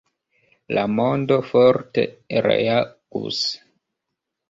La mondo forte reagus.